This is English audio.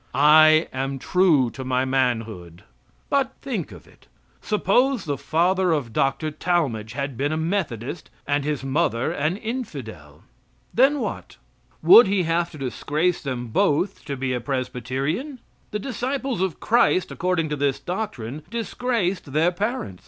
I am true to my manhood. But think of it! Suppose the father of Dr. Talmage had been a Methodist and his mother an infidel. Then what. Would he have to disgrace them both to be a Presbyterian. The disciples of Christ, according to this doctrine, disgraced their parents.